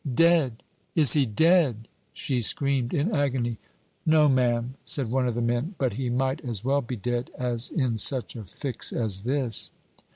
"Dead! is he dead?" she screamed, in agony. "No, ma'am," said one of the men, "but he might as well be dead as in such a fix as this."